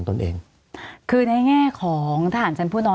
สวัสดีครับทุกคน